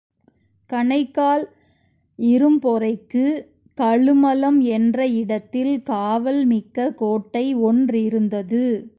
கணைக்கால் இரும்பொறைக்குக் கழுமலம் என்ற இடத்தில் காவல் மிக்க கோட்டை ஒன்றிருந்தது.